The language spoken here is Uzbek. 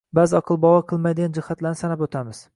ba’zi aqlbovar qilmaydigan jihatlarni sanab o‘tamiz.